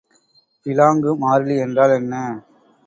பிளாங்கு மாறிலி என்றால் என்ன?